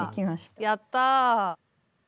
やったあ！